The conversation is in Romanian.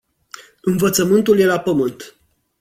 Învățământul e la pământ.